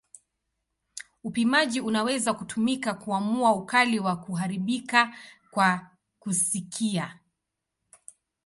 Upimaji unaweza kutumika kuamua ukali wa kuharibika kwa kusikia.